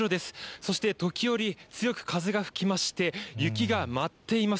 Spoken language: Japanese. そして時折、強く風が吹きまして、雪が舞っています。